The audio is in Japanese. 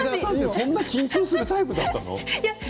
そんな緊張するタイプだったの？